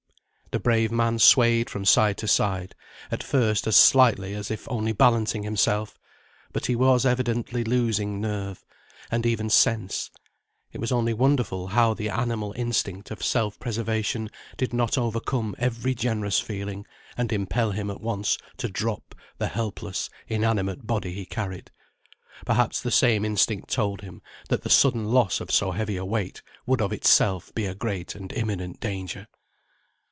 The brave man swayed from side to side, at first as slightly as if only balancing himself; but he was evidently losing nerve, and even sense: it was only wonderful how the animal instinct of self preservation did not overcome every generous feeling, and impel him at once to drop the helpless, inanimate body he carried; perhaps the same instinct told him, that the sudden loss of so heavy a weight would of itself be a great and imminent danger.